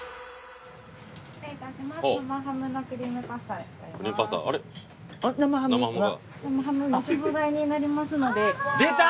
失礼いたします